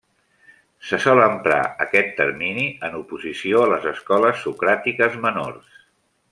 Se sol emprar aquest termini en oposició a les escoles socràtiques menors.